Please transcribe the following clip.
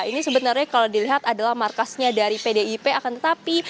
ini sebenarnya kalau dilihat adalah markasnya dari pdip akan tetapi